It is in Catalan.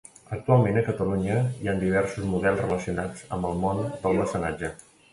Actualment, a Catalunya hi han diversos models relacionats amb el món del mecenatge.